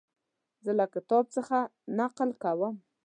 زه له کتاب څخه نقل کوم.